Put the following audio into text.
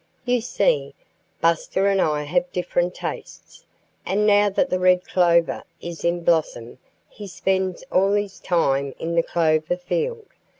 You see, Buster and I have different tastes. And now that the red clover is in blossom he spends all his time in the clover field.